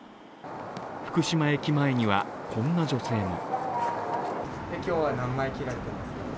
福島駅前には、こんな女性も。